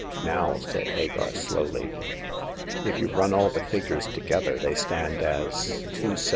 Now," said Hagar, slowly, if you run all the figures together they stand as 271238."